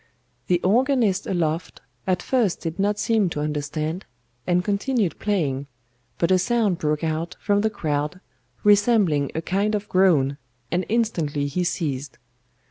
The organist aloft at first did not seem to understand, and continued playing, but a sound broke out from the crowd resembling a kind of groan, and instantly he ceased.